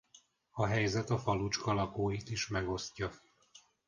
A helyzet a falucska lakóit is megosztja.